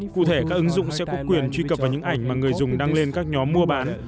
cụ thể các ứng dụng sẽ có quyền truy cập vào những ảnh mà người dùng đăng lên các nhóm mua bán